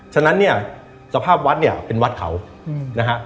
ฉะนั้นเนี่ยสภาพวัดเนี่ยเป็นวัดเขานะฮะ